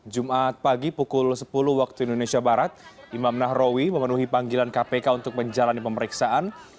jumat pagi pukul sepuluh waktu indonesia barat imam nahrawi memenuhi panggilan kpk untuk menjalani pemeriksaan